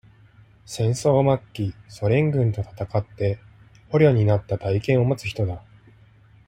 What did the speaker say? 戦争末期、ソ連軍と戦って、捕虜になった体験を持つ人だ。